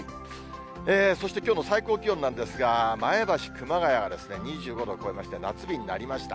そしてきょうの最高気温なんですが、前橋、熊谷が２５度を超えまして、夏日になりました。